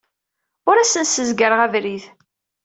Ur asent-ssezgareɣ abrid.